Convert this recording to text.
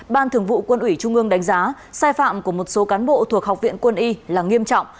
ban thường vụ quân ủy trung ương đánh giá sai phạm của một số cán bộ thuộc học viện quân y là nghiêm trọng